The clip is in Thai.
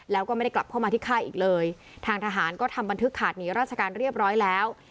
แล้วก็ไม่ได้กลับเข้ามาที่ค่ายอีกเลยทางทหารก็ทำบันทึกขาดหนีราชการเรียบร้อยแล้ว